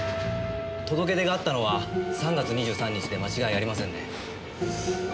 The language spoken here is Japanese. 届出があったのは３月２３日で間違いありませんね。